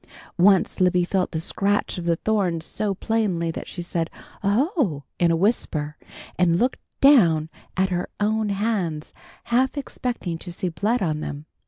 Once Libby felt the scratch of the thorns so plainly that she said "oo oh" in a whisper, and looked down at her own hands, half expecting to see blood on them.